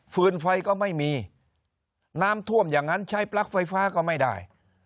ไฟก็ไม่มีน้ำท่วมอย่างนั้นใช้ปลั๊กไฟฟ้าก็ไม่ได้